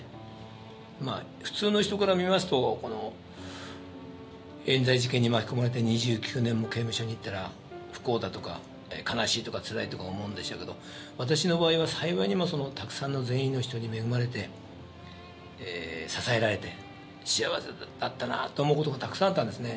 普通の人から見ますとえん罪事件に巻き込まれて２９年も刑務所にいたら不幸だとか悲しいとかつらいとか思うんでしょうけど私の場合は幸いにもたくさんの善意の人に恵まれて支えられて幸せだったなと思う事がたくさんあったんですね。